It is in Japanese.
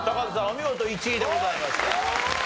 お見事１位でございました。